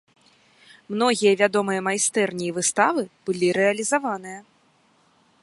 Многія вядомыя майстэрні і выставы былі рэалізаваныя.